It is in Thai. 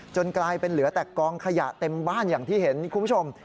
กลายเป็นเหลือแต่กองขยะเต็มบ้านอย่างที่เห็นคุณผู้ชม